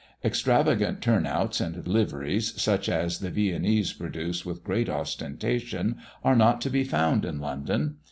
Extravagant turn outs and liveries, such as the Viennese produce with great ostentation, are not to be found in London.